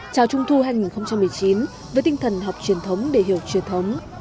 chào trung thu hai nghìn một mươi chín với tinh thần học truyền thống để hiểu truyền thống